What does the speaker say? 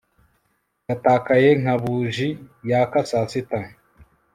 yatakaye nka buji yaka saa sita